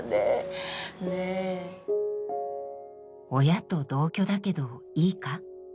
「親と同居だけどいいか？」。